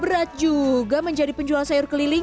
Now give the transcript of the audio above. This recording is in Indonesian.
berat juga menjadi penjual sayur keliling